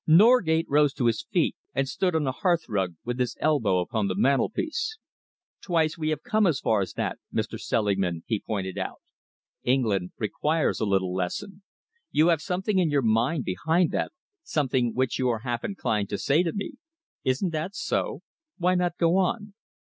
Norgate rose to his feet and stood on the hearthrug, with his elbow upon the mantelpiece. "Twice we have come as far as that, Mr. Selingman," he pointed out. "England requires a little lesson. You have something in your mind behind that, something which you are half inclined to say to me. Isn't that so? Why not go on?"